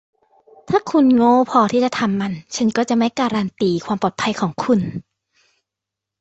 ถ้าคุณโง่พอที่จะทำมัน ฉันก็จะไม่การันตีความปลอดภัยของคุณ